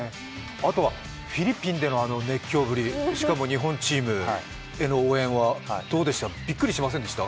あとはフィリピンでのあの熱狂ぶり、しかも日本チームへの応援はどうでした、びっくりしませんでした？